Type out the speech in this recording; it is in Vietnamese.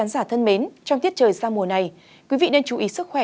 sau mùa này quý vị nên chú ý sức khỏe